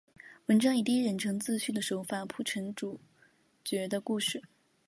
文章以第一人称自叙的手法铺陈主角的故事。